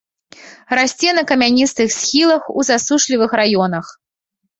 Расце на камяністых схілах у засушлівых раёнах.